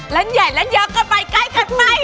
เล่นใหญ่เล่นเยอะกันไปใกล้กันไป